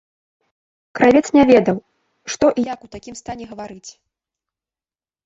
Кравец не ведаў, што і як у такім стане гаварыць.